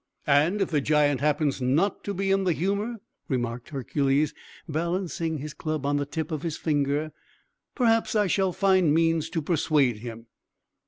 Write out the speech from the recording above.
"And if the giant happens not to be in the humour," remarked Hercules, balancing his club on the tip of his finger, "perhaps I shall find means to persuade him!"